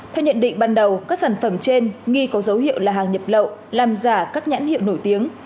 theo nhận định ban đầu các sản phẩm trên nghi có dấu hiệu là hàng nhập lậu làm giả các nhãn hiệu nổi tiếng